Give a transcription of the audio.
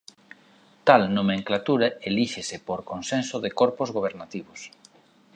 Tal nomenclatura elíxese por consenso de corpos gobernativos.